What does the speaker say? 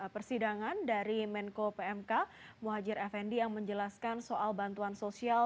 persidangan dari menko pmk muhajir effendi yang menjelaskan soal bantuan sosial